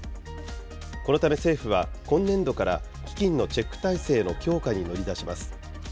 このため政府は、今年度から基金のチェック体制の強化に乗り出します。